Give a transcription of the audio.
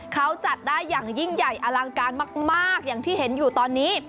เขาจัดได้อย่างยิ่งใหญ่อลังการมากอย่างที่เห็นอยู่ตอนนี้